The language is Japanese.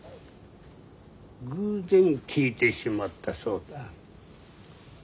偶然聞いてしまったそうだ。